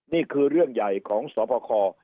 นี่คือเรื่องใหญ่ของสพค